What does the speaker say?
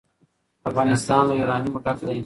افغانستان له یورانیم ډک دی.